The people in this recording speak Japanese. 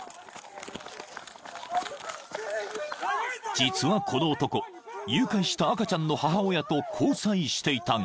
［実はこの男誘拐した赤ちゃんの母親と交際していたが］